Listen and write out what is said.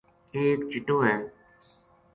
ایک چِٹو ہے